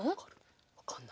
わかんないね。